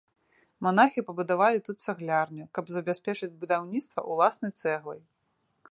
Манахі пабудавалі тут цаглярню, каб забяспечыць будаўніцтва ўласнай цэглай.